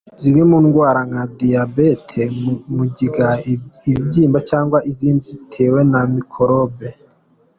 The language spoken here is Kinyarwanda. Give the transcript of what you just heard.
Zimwe mu ndwara nka diyabete, mugiga, ibibyimba cg izindi zitewe na mikorobe.